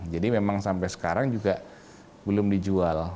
jadi memang sampai sekarang juga belum dijual